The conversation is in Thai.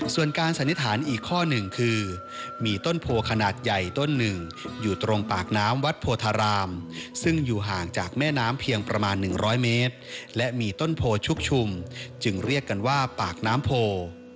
ส่วนการสันนิษฐานอีกข้อหนึ่งคือมีต้นโพขนาดใหญ่ต้นหนึ่งอยู่ตรงปากน้ำวัดโพธารามซึ่งอยู่ห่างจากแม่น้ำเพียงประมาณ๑๐๐เมตรและมีต้นโพชุกชุมจึงเรียกกันว่าปากน้ำโพ